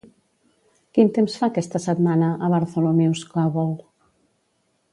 Quin temps fa aquesta setmana a Bartholomew's Cobble?